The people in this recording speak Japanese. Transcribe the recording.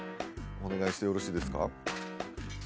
お願いしてよろしいですか？